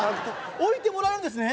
置いてもらえるんですね。